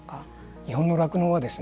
日本の酪農はですね